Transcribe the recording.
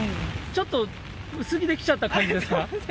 ちょっと薄着で来ちゃった感じですか。